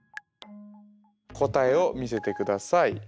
答えを見せて下さい。